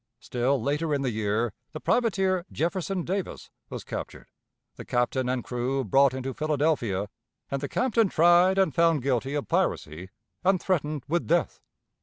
Still later in the year the privateer Jefferson Davis was captured, the captain and crew brought into Philadelphia, and the captain tried and found guilty of piracy and threatened with death.